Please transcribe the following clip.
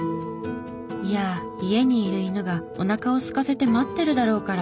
いや家にいる犬がおなかをすかせて待ってるだろうから。